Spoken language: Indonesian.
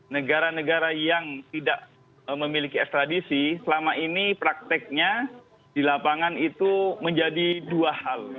negara negara yang tidak memiliki ekstradisi selama ini prakteknya di lapangan itu menjadi dua hal